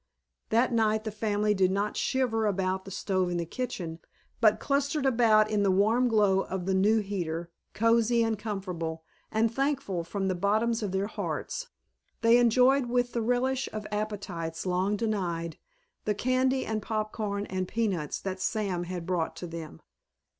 That night the family did not shiver about the stove in the kitchen, but clustered about in the warm glow of the new heater, cozy and comfortable, and thankful from the bottoms of their hearts, they enjoyed with the relish of appetites long denied the candy and popcorn and peanuts that Sam had brought to them.